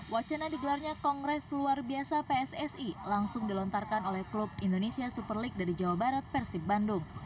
wacana digelarnya kongres luar biasa pssi langsung dilontarkan oleh klub indonesia super league dari jawa barat persib bandung